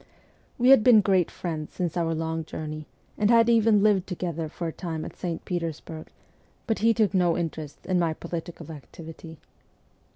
We had been great friends since our long journey, and had even lived together for a time at St. Petersburg, but he took no interest in my political activity.